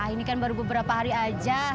ini kan baru beberapa hari aja